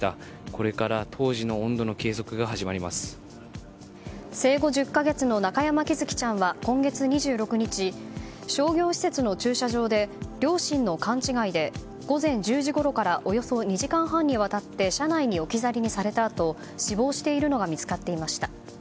これから当時の温度の計測が生後１０か月の中山喜寿生ちゃんは今月２６日、商業施設の駐車場で両親の勘違いで午前１０時ごろからおよそ２時間半にわたって車内に置き去りにされたあと死亡しているのが見つかっていました。